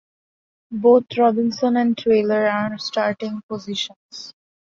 Both Robinson and Traylor earned starting positions.